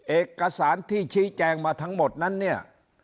เอกสารที่ชี้แจงมาทั้งหมดนั้นเนี่ย